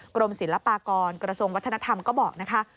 กรมศิลปากรกระทรวงวัฒนธรรมก็บอกนะคะ